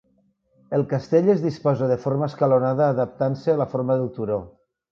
El castell es disposa de forma escalonada adaptant-se a la forma del turó.